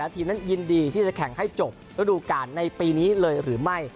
ทีมนั้นยินดีที่จะแข่งให้จบระดูการในปีนี้เลยหรือไม่